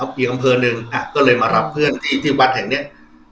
อีกอำเภอหนึ่งก็เลยมารับเพื่อนที่วัดแห่งเนี้ย